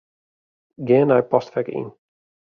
Gean nei Postfek Yn.